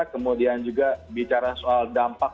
kemudian juga bicara soal dampak